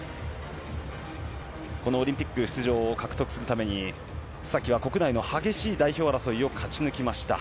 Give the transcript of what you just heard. このオリンピック出場を獲得するために須崎は国内の激しい代表争いを勝ち抜きました。